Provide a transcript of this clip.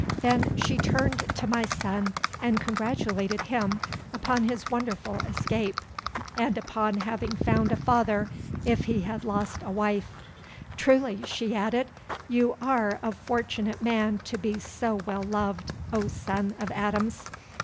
Then she turned to my son, and congratulated him upon his wonderful escape and upon having found a father if he had lost a wife. "Truly," she added, "you are a fortunate man to be so well loved, O son of Adams.